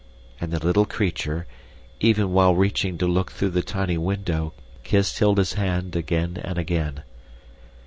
And the little creature, even while reaching to look through the tiny window, kissed Hilda's hand again and again.